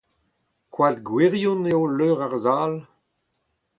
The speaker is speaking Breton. Koad gwirion eo leur ar sal ?